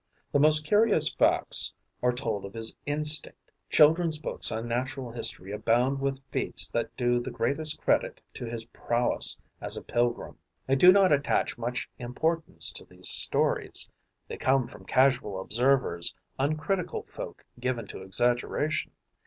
The most curious facts are told of his instinct; children's books on natural history abound with feats that do the greatest credit to his prowess as a pilgrim. I do not attach much importance to these stories: they come from casual observers, uncritical folk given to exaggeration.